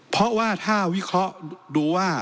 เพราะว่าถ้าวิเคราะห์ดูว่า